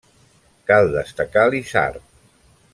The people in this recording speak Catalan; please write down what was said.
Cal destacar l'isard.